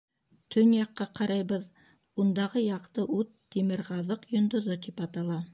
Төньяҡҡа ҡарайбыҙ, ундағы яҡты ут Тимерғаҙыҡ йондоҙо тип атала.